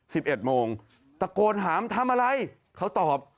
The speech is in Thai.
สิบเอ็ดโมงตะโกนถามทำอะไรเขาตอบ